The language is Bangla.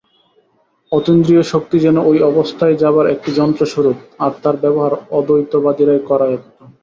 অতীন্দ্রিয় শক্তি যেন ঐ অবস্থায় যাবার একটি যন্ত্রস্বরূপ, আর তার ব্যবহার অদ্বৈতবাদীরই করায়ত্ত।